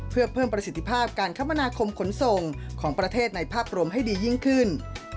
เพื่อเพิ่มประสิทธิภาพการคมนาคมขนส่งของประเทศในภาพรวมให้ดียิ่งขึ้น